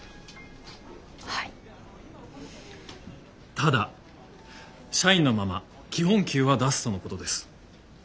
ただ社員のまま基本給は出すとのことです。